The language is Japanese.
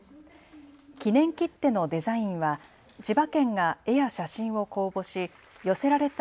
記念切手のデザインは千葉県が絵や写真を公募し寄せられた